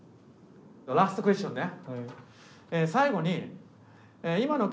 ラストクエスチョンね。